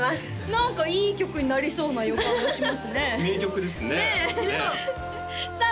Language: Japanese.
何かいい曲になりそうな予感がしますね名曲ですねねえさあ